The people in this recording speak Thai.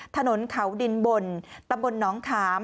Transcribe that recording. ถนนเขาดินบนตำบลน้องขาม